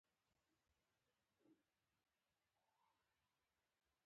د مثانې د عفونت لپاره د کرینبیري او اوبو ګډول وڅښئ